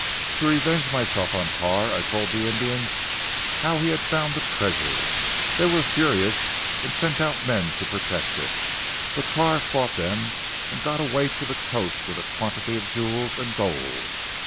To revenge myself on Carr I told the Indians how he had found the treasure. They were furious, and sent out men to protect it. But Carr fought them and got away to the coast with a quantity of jewels, and gold.